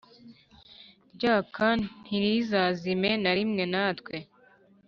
Ryaka ntirizazime na rimwe natwe